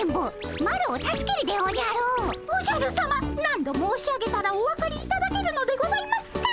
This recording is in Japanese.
おじゃるさま何度申し上げたらお分かりいただけるのでございますか。